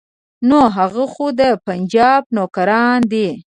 نو هغه خو د پنجاب نوکران دي.